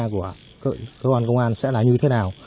cái hướng điều tra của cơ quan công an sẽ là như thế nào